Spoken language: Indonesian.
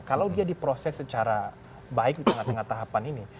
kalau dia diproses secara baik di tengah tengah tahapan ini